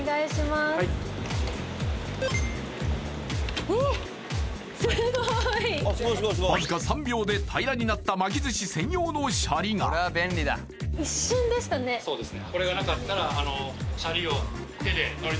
すごいわずか３秒で平らになった巻き寿司専用のシャリがそうですね